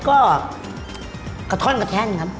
ก็กระท่อนกระแท่นครับ